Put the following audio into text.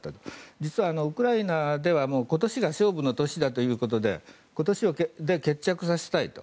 実は、ウクライナでは今年が勝負の年だということで今年で決着させたいと。